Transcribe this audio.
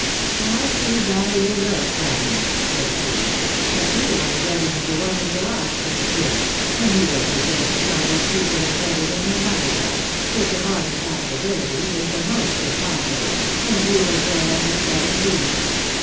" I see by your looks, Annie," said she, " that you are getting into one of your obstinate fits, when you will pretend to know "what people are better than your mother does, which of all impos sibilities is the most impossible, and you a girl under seventeen